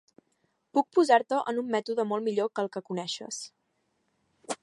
Puc posar-te en un mètode molt millor que el que coneixes...